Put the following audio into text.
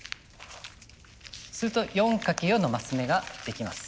すると４掛け４のマス目ができます。